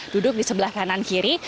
duduk di sebelah kanan kiri